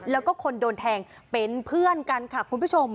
แล้วก็คนโดนแทงเป็นเพื่อนกันค่ะคุณผู้ชม